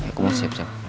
gue mau siap siap